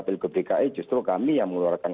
pilgub dki justru kami yang mengeluarkan